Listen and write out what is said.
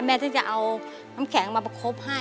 ที่จะเอาน้ำแข็งมาประคบให้